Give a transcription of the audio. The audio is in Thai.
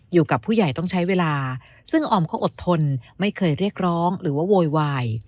อยู่กับผู้ใหญ่ต้องใช้เวลาซึ่งออมเขาอดทนไม่เคยเรียกร้องหรือว่าโวยวาย